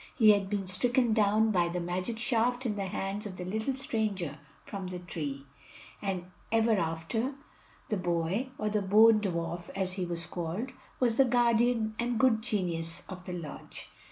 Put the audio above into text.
He had been stricken down by the magic shaft in the hands of the little stranger from the tree; and ever after the boy, or the Bone Dwarf as he was called, was the guardian and good genius of the lodge.